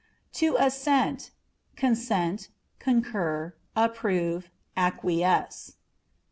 To Assentâ€" consent, concur, approve, acquiesce.